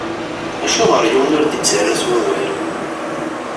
Acuɣeṛ yiwen ur d-ittarra s wawal?